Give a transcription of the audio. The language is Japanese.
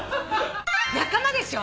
仲間でしょ？